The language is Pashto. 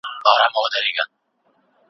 ایا بهرني سوداګر خندان پسته ساتي؟